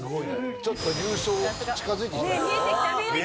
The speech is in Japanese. ちょっと優勝近づいてきましたよ。